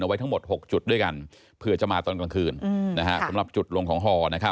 ไว้ทั้งหมด๖จุดด้วยกันเผื่อจะมาตอนกลางคืนสำหรับจุดลงของฮอ